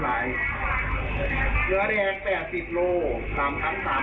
เนื้อแรง๘๐กิโลกรัมตั้ง๓๐